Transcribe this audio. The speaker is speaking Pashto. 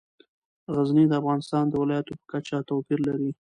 غزني د افغانستان د ولایاتو په کچه توپیر لري.